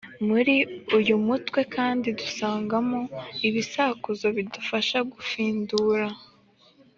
muri uyu mutwe kandi dusangamo ibisakuzo bifasha gufindura